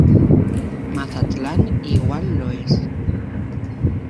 Mazatlán igual lo es.